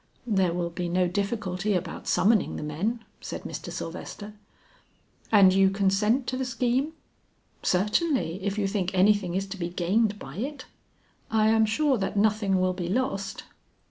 "There will be no difficulty about summoning the men," said Mr. Sylvester. "And you consent to the scheme?" "Certainly, if you think anything is to be gained by it." "I am sure that nothing will be lost.